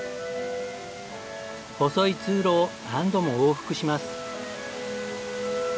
細い通路を何度も往復します。